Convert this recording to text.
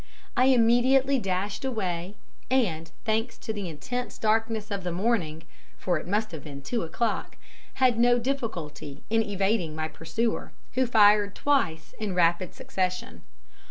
I immediately dashed away, and, thanks to the intense darkness of the morning for it must have been two o'clock had no difficulty in evading my pursuer, who fired twice in rapid succession.